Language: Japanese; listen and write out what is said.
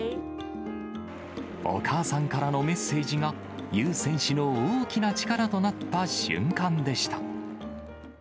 お母さんからのメッセージが、ユ選手の大きな力となった瞬間でした。